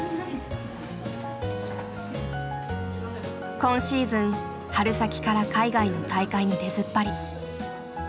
今シーズン春先から海外の大会に出ずっぱり。